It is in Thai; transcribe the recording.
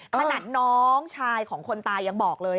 ขนาดน้องชายของคนตายยังบอกเลย